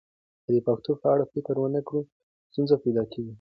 که د پېښو په اړه فکر ونه کړئ، ستونزه پیدا کېږي.